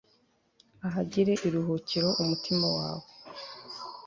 ahagire iruhukiro, umutima wawe